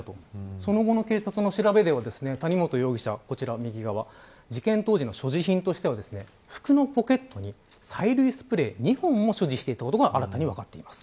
その後の警察の調べでは谷本容疑者は事件当時の所持品としては服のポケットに催涙スプレーを２本所持していたことが分かっています。